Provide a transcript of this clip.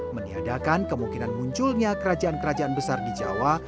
meniadakan kemungkinan munculnya kerajaan kerajaan besar di jawa